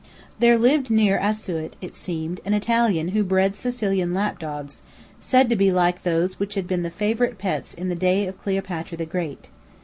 There lived near Asiut, it seemed, an Italian who bred Sicilian lap dogs, said to be like those which had been favourite pets in the day of Cleopatra the Great.